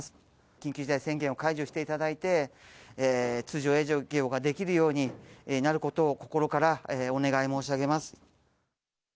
緊急事態宣言を解除していただいて、通常営業ができるようになることを心からお願い申し上げます。